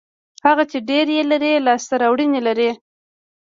هغه چې ډېر یې لري لاسته راوړنې لري.